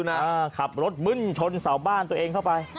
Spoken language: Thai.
ขับรถบึ้นชนเสาบ้านตัวเองเข้าไป